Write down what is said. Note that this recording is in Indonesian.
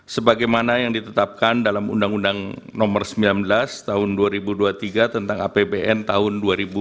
sebagaimana yang ditetapkan dalam undang undang nomor sembilan belas tahun dua ribu dua puluh tiga tentang apbn tahun dua ribu dua puluh